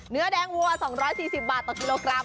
เนื้อแดงวัว๒๔๐บาทต่อกิโลกรัม